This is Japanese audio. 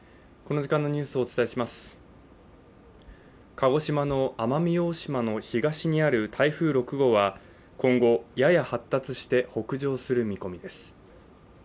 鹿児島の奄美大島の東にある台風６号は今後やや発達して北上する見込みです